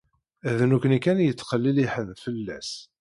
D nekni kan i yetteqliliḥen fell-as.